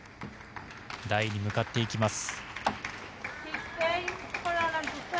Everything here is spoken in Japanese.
台に向かっていきます。